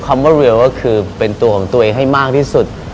คำว่าเร็วก็คือเป็นตัวของตัวเองให้มากที่สุด